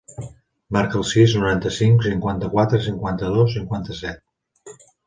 Marca el sis, noranta-cinc, cinquanta-quatre, cinquanta-dos, cinquanta-set.